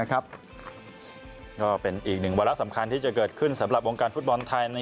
ก็เป็นอีกหนึ่งวาระสำคัญที่จะเกิดขึ้นสำหรับวงการฟุตบอลไทย